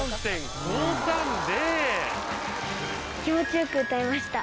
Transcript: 気持ち良く歌えました。